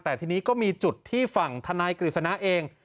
แต่ทีนี้ก็มีจุดที่ฝั่งธนายกฤษณะเอง